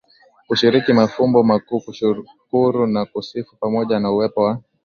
kushiriki mafumbo makuu kushukuru na kusifu pamoja na uwepo wa